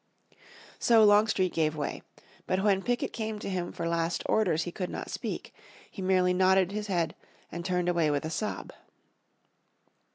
So Longstreet gave way. But when Pickett came to him for last orders he could not speak; he merely nodded his head, and turned away with a sob.